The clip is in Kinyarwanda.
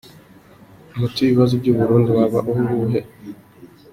Umuti w’ibibazo by’u Burundi waba uwuhe?.